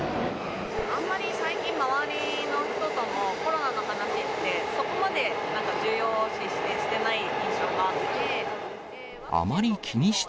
あんまり最近周りの人とも、コロナの話って、そこまでなんか重要視してない印象があるし。